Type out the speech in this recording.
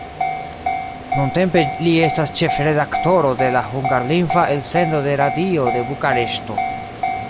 Nuntempe li estas ĉefredaktoro de la hungarlingva elsendo de Radio de Bukareŝto.